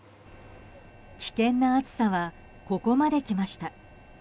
危険な暑さはここまできました。